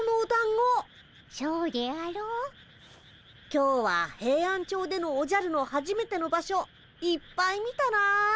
今日はヘイアンチョウでのおじゃるのはじめての場所いっぱい見たなあ。